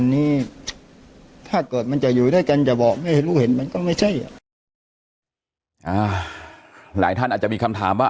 อันนี้ถ้าเกิดมันจะอยู่ด้วยกันจะบอกไม่รู้เห็นมันก็ไม่ใช่อ่ะอ่าหลายท่านอาจจะมีคำถามว่า